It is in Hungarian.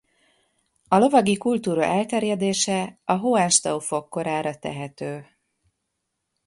A lovagi kultúra elterjedése a Hohenstaufok korára tehető.